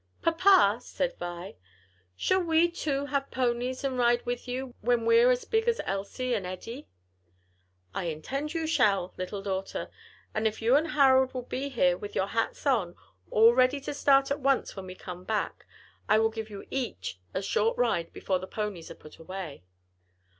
"Papa," said Vi, "shall we, too, have ponies and ride with you, when we're as big as Elsie and Eddie?" "I intend you shall, little daughter, and if you and Harold will be here with your hats on, all ready to start at once when we come back, I will give you each a short ride before the ponies are put away."